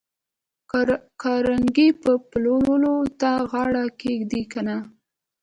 کارنګي به پلورلو ته غاړه کېږدي که نه